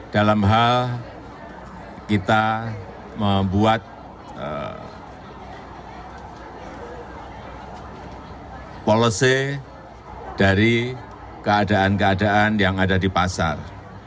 dalam hal kita membuat policy dari keadaan keadaan yang ada di pasar